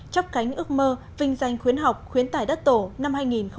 chấp cánh ước mơ vinh danh khuyến học khuyến tải đất tổ năm hai nghìn một mươi chín